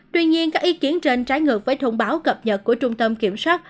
tuy nhiên các ý kiến trên trái ngược với thông báo cập nhật của trung tâm kiểm soát